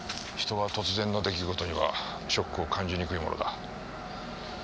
人は突然の出来事にはショックを感じにくいものだ。